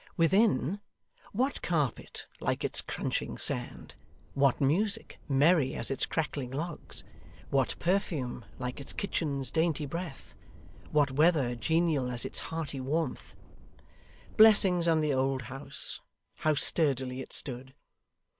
Within, what carpet like its crunching sand, what music merry as its crackling logs, what perfume like its kitchen's dainty breath, what weather genial as its hearty warmth! Blessings on the old house, how sturdily it stood!